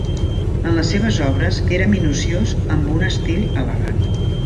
En les seves obres era minuciós amb un estil elegant.